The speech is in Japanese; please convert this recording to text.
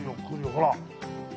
ほら。